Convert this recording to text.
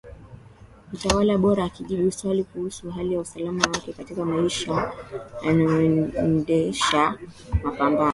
utawala boraAkijibu swali kuhusu hali ya usalama wake katika maisha anayoendesha ya mapambano